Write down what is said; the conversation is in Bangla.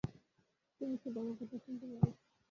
তুমিই শুধু আমার কথা শুনতে পাবে।